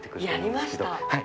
やりました。